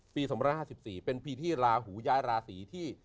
ปี๒๕๔เป็นปีที่ลาหูย้ายราศีที่